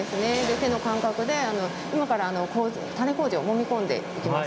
手の感覚で種こうじを、もみ込んでいきます。